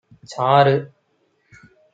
சாறு!